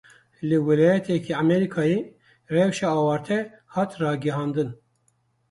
Li wîlayeteke Amerîkayê rewşa awarte hat ragihandin.